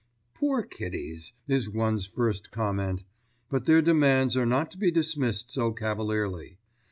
"Poor kiddies!" is one's first comment. But their demands are not to be dismissed so cavalierly.